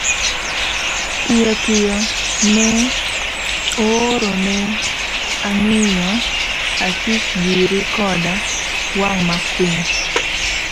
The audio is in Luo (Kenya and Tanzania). Piyopiyo ne ooro ne ong'iyo Asisi giri koda wang makwiny.